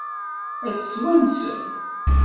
Ad tt-twansem?